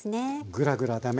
ぐらぐらだめ。